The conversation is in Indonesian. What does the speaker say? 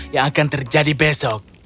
yang akan terjadi besok